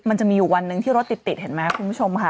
มันจะมีอยู่วันหนึ่งที่รถติดเห็นไหมคุณผู้ชมค่ะ